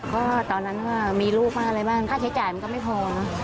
ก็ตอนนั้นว่ามีลูกบ้างอะไรบ้างค่าใช้จ่ายมันก็ไม่พอนะ